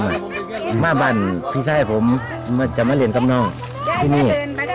มาบ้านพี่ชายผมจะมาเรียนกับน้องที่นี่